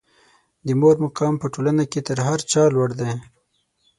د مور مقام په ټولنه کې تر هر چا لوړ دی.